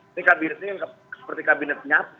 ini kabinetnya seperti kabinet nyap